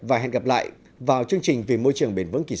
và hẹn gặp lại vào chương trình vì môi trường bền vững kỳ sau